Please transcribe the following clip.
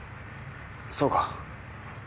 そうか。